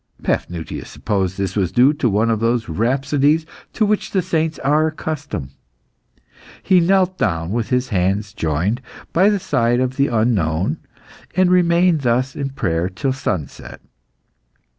Paphnutius supposed this was due to one of those rhapsodies to which the saints are accustomed. He knelt down, with his hands joined, by the side of the unknown, and remained thus in prayer till sunset.